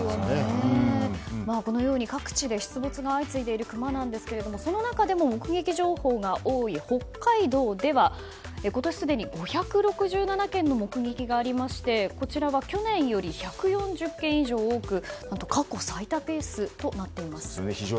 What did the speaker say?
このように各地で出没が相次いでいるクマですがその中でも目撃情報が多い北海道では今年すでに５６７件の目撃がありましてこちらは去年より１４０件以上多く過去最多ペースとなっています。